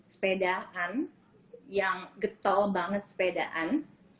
sepedaan yang getol banget sepedaan